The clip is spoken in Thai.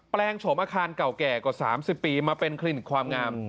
ลงโฉมอาคารเก่าแก่กว่า๓๐ปีมาเป็นคลินิกความงาม